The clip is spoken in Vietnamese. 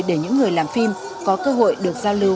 để những người làm phim có cơ hội được giao lưu